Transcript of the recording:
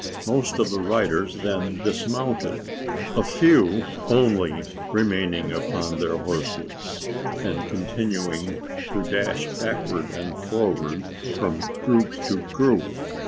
Most of the riders then dismounted, a few only remaining upon their horses, and continuing to dash backward and forward, from group to group.